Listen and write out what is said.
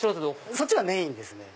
そっちがメインですね。